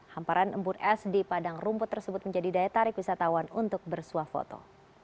hamparan embun es di padang rumput tersebut menjadi daya tarik wisatawan untuk bersuah foto